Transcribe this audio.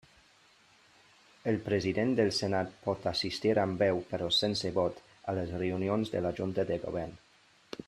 El president del Senat pot assistir amb veu però sense vot a les reunions de la Junta de Govern.